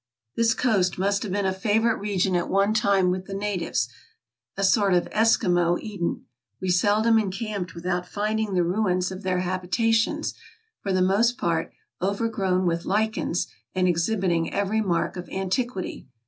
This coast must have been a favorite region at one time with the natives — a sort of Esquimau Eden. We seldom encamped without finding the ruins of their habitations, for the most part overgrown with lichens, and exhibiting every mark of antiquity.